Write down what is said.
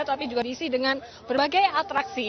tapi juga diisi dengan berbagai atraksi